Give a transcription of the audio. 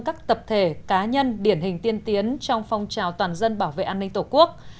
các tập thể cá nhân điển hình tiên tiến trong phong trào toàn dân bảo vệ an ninh tổ quốc